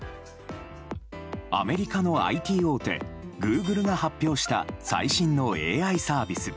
アメリカのＩＴ大手グーグルが発表した最新のＡＩサービス